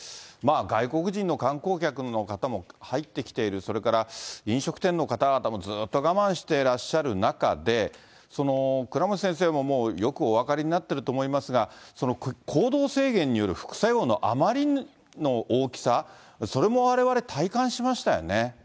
外国人の観光客の方も入ってきている、それから飲食店の方々もずっと我慢してらっしゃる中で、倉持先生ももうよくお分かりになっていると思いますが、行動制限による副作用のあまりの大きさ、それもわれわれ、体感しましたよね。